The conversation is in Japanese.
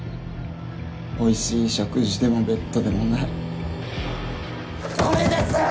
おいしい食事でもベッドでもないこれです！